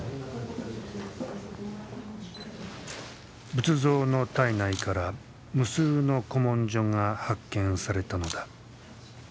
仏像の体内から無数の古文書が発見されたのだ。